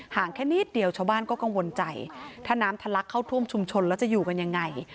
งแค่นิดเดียวชาวบ้านก็กังวลใจถ้าน้ำทะลักเข้าท่วมชุมชนแล้วจะอยู่กันยังไง